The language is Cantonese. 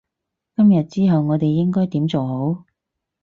今日之後我哋應該點做好？